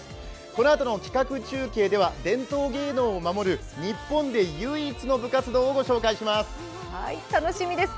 このあとの企画中継では、伝統芸能を守る日本で唯一の部活動をご紹介します。